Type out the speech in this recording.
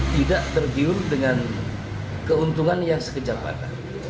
tidak terbiul dengan keuntungan yang sekejap lagi